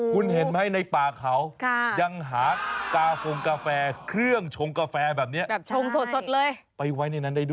คุณเห็นไหมในป่าเขายังหากาฟงกาแฟเครื่องชงกาแฟแบบนี้แบบชงสดเลยไปไว้ในนั้นได้ด้วย